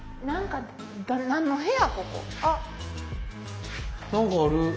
何かある。